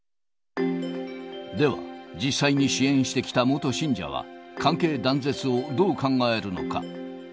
では、実際に支援してきた元信者は、関係断絶をどう考えるのか。